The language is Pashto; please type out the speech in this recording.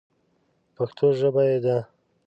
پښتو ژبه یې ده.